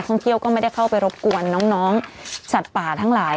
งเที่ยวก็ไม่ได้เข้าไปรบกวนน้องสัตว์ป่าทั้งหลาย